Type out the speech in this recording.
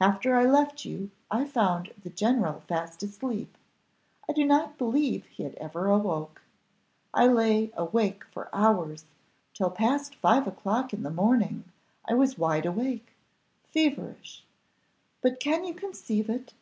After I left you I found the general fast asleep, I do not believe he had ever awoke I lay awake for hours, till past five o'clock in the morning, I was wide awake feverish. But can you conceive it?